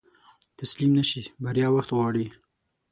تسليم نشې، بريا وخت غواړي.